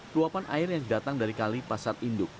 luapan air yang datang dari kali pasar induk